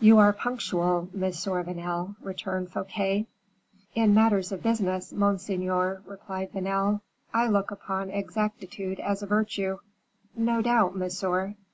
"You are punctual, Monsieur Vanel," returned Fouquet. "In matters of business, monseigneur," replied Vanel, "I look upon exactitude as a virtue." "No doubt, monsieur."